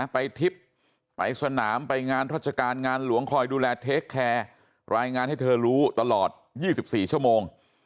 ไปทิศไปสนามไปงานธรรจการงานหลวงคอยดูแลรายงานให้เธอรู้ตลอด๒๔ชั่วโมง